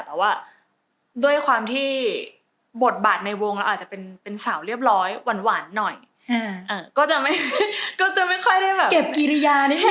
แต่ว่าด้วยความที่บทบาทในวงผมอาจจะเป็นเป็นสาวเรียบร้อย